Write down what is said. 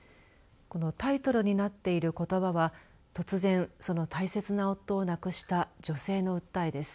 このタイトルになっていることばは突然、その大切な夫を亡くした女性の訴えです。